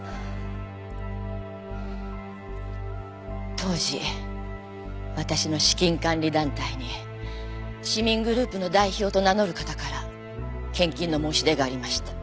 当時私の資金管理団体に市民グループの代表と名乗る方から献金の申し出がありました。